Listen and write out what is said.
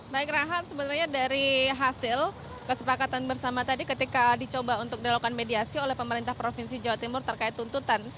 baik rahan sebenarnya dari hasil kesepakatan bersama tadi ketika dicoba untuk dilakukan mediasi oleh pemerintah provinsi jawa timur terkait tuntutan